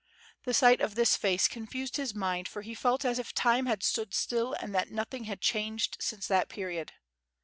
The sight of this face confused his mind for he felt as if time had stood still and that nothing had changed since that period.